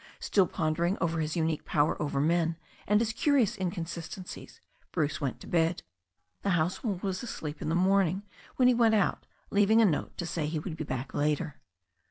Still pondering over his unique power over men and his curious inconsistencies, Bruce went to bed. The household was asleep in the morning when he went out, leaving a note to say he would be back later.